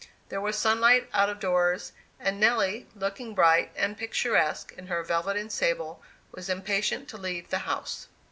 There was sunlight out of doors, and Nelly, looking bright and picturesque in her velvet and sable, was impatient to leave the house.